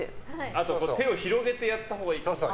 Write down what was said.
あと手を広げてやったほうがいい。